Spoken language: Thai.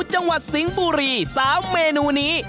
จังหวัดสิงห์บุรี๓เมนูนี้